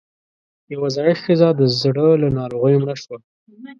يوه زړه ښځۀ د زړۀ له ناروغۍ مړه شوه